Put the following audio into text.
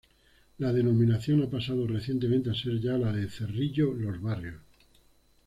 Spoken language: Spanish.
La denominación ha pasado recientemente a ser ya la de Cerrillo-Los Barrios.